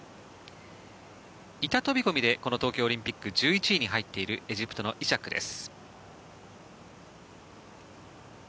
板飛込で東京オリンピック１１位に入っているエジプトのイシャックです。